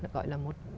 gọi là một